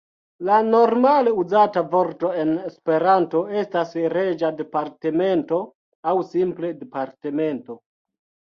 La normale uzata vorto en Esperanto estas "reĝa departemento" aŭ simple "departemento".